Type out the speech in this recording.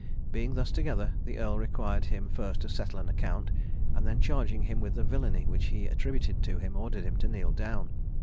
Being thus together, the earl required him first to settle an account, and then charging him with the villany which he attributed to him, ordered him to kneel down.